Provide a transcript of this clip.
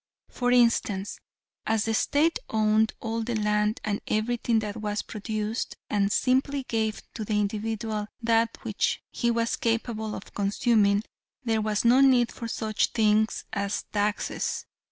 For instance: as the State owned all of the land and everything that was produced, and simply gave to the individual that which he was capable of consuming, there was no need for such things as taxes.